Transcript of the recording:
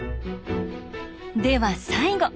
では最後。